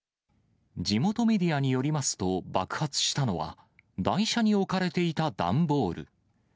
地元メディアによりますと、爆発したのは、台車に置かれていた段ボール。